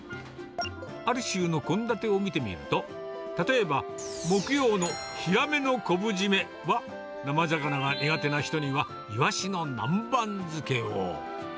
ある週の献立を見てみると、例えば、木曜のヒラメのこぶじめは、生魚が苦手な人にはイワシの南蛮漬けを。